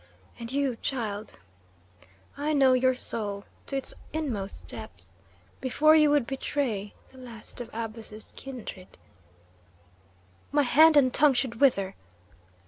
And you, child, I know your soul to its inmost depths. Before you would betray the last of Abus's kindred " "My hand and tongue should wither!"